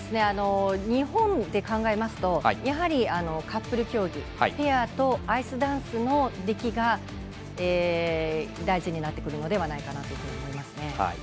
日本で考えますとカップル競技ペアとアイスダンスの出来が大事になってくるのではないかと思いますね。